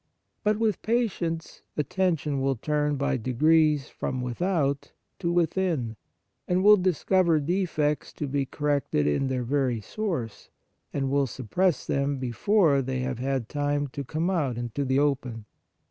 But with practice, attention will turn by degrees from without 130 Examination of Conscience to within, and will discover defects to be corrected in their very source, and will suppress them before they have had time to come out into the open.